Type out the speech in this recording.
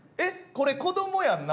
これ子どもやんな。